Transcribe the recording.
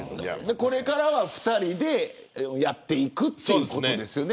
これからは２人でやっていくということですね。